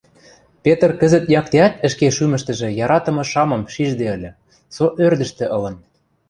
Петр кӹзӹт яктеӓт ӹшке шӱмӹштӹжӹ яратымы шамым шижде ыльы, со ӧрдӹжтӹ ылын.